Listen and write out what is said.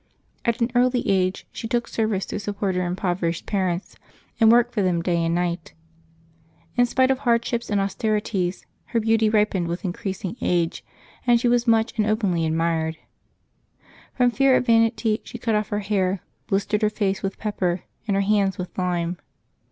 At an early age she took service to support her impoverished parents, and worked for them day and night. In spite of hardships and aus terities her beauty ripened with increasing age, and she was much and openly admired. From fear of vanity she cut off her hair, blistered her face with pepper and her hands with lime.